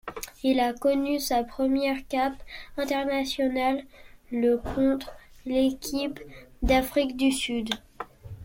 Il a connu sa première cape internationale le contre l'équipe d'Afrique du Sud.